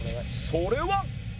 それは